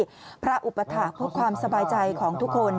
หน้าที่พระอุปถักษ์พบความสบายใจของทุกคน